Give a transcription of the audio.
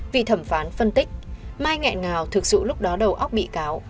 vì thẩm phán phân tích mai nghẹn ngào thực sự lúc đó đầu óc bị cáo